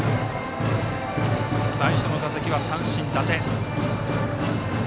最初の打席は三振、伊達。